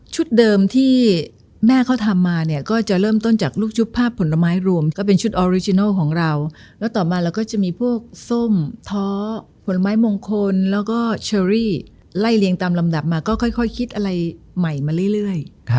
เดิมที่แม่เขาทำมาเนี่ยก็จะเริ่มต้นจากลูกชุบภาพผลไม้รวมก็เป็นชุดออริจินัลของเราแล้วต่อมาเราก็จะมีพวกส้มท้อผลไม้มงคลแล้วก็เชอรี่ไล่เรียงตามลำดับมาก็ค่อยคิดอะไรใหม่มาเรื่อย